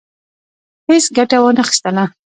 هیڅ ګټه وانه خیستله.